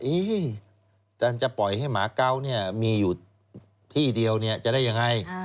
อาจารย์จะปล่อยให้หมาเกาะเนี่ยมีอยู่ที่เดียวเนี่ยจะได้ยังไง